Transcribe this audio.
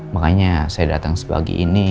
makanya saya datang sebagi ini